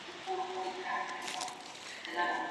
د صنعت پرمختګ د هېواد د ځان بسیاینې لار ده.